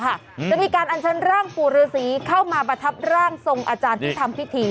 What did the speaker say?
จะมีการอัญเชิญร่างปู่ฤษีเข้ามาประทับร่างทรงอาจารย์ที่ทำพิธี